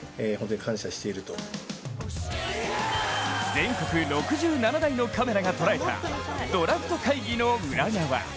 全国６７台のカメラが捉えたドラフト会議の裏側。